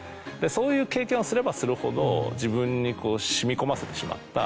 そういう経験をすればするほど自分に染み込ませてしまった。